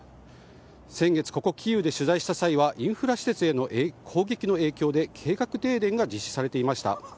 先月、ここキーウで取材した際はインフラ施設への攻撃の影響で計画停電が実施されていました。